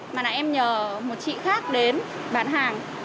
mà là em nhờ một chị khác đến bán hàng